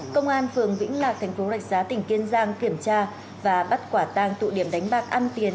công an phường vĩnh lạc thành phố rạch giá tỉnh kiên giang kiểm tra và bắt quả tang tụ điểm đánh bạc ăn tiền